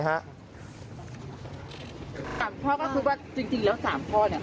สามข้อก็คือว่าจริงแล้วสามข้อ